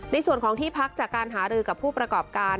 ในส่วนของที่พักจากการหารือกับผู้ประกอบการ